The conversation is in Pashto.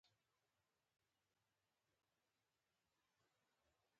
وطن د مور د غېږې په شان شیرین او خوږ وی.